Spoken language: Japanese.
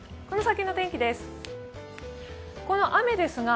この先の天気です。